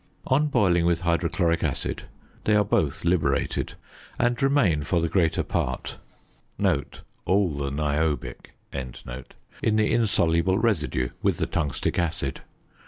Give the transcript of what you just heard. On boiling with hydrochloric acid they are both liberated, and remain for the greater part (all the niobic) in the insoluble residue with the tungstic acid.